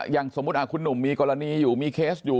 อย่างสมมุติคุณหนุ่มมีกรณีอยู่มีเคสอยู่